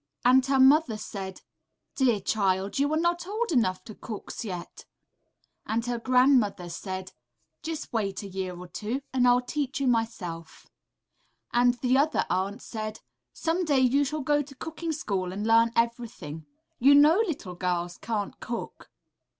'' and her mother said, ``Dear child, you are not old enough to cooks yet;'' and her grandmother said, ``Just wait a year or two, and I'll teach you myself;'' and the Other Aunt said, ``Some day you shall go to cooking school and learn everything; you know little girls can't cook.''